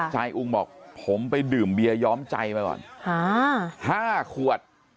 จายอุงบอกผมไปดื่มเบียย้อมใจไปก่อนห้าขวด